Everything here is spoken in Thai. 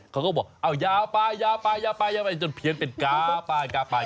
เขาก็ว่าเอ้ายาวปายจนเปียกเป็นก๊าปาย